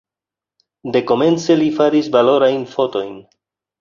Dekomence li faris valorajn fotojn.